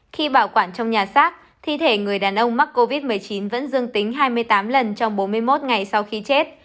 khi bảo quản trong nhà xác thi thể người đàn ông mắc covid một mươi chín vẫn dương tính hai mươi tám lần trong bốn mươi một ngày sau khi chết